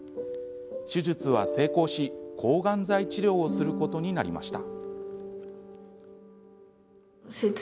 手術は成功し、抗がん剤治療をすることになりました。